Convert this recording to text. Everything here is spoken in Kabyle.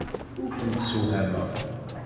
Ur kent-ssewhameɣ.